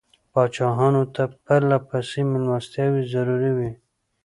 پاچایانو ته پرله پسې مېلمستیاوې ضروري وې.